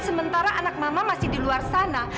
sementara anak mama masih di luar sana